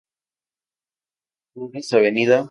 Flores; Av.